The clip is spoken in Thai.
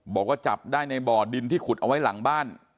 บอกว่าจับได้ในบ่อดินที่ขุดเอาไว้หลังบ้าน